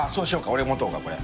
俺持とうかこれ。